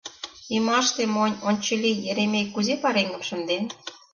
Ӱмаште монь, ончылий Еремей кузе пареҥгым шынден?